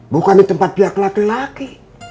bukan di tempat pihak laki laki